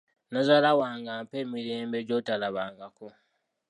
Nazaala wange ampa emirembe gy'otalabangako.